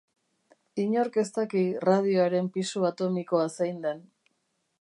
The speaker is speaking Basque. Inork ez daki radioaren pisu atomikoa zein den.